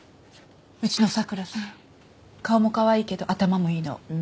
うちの桜さ顔もかわいいけど頭もいいの。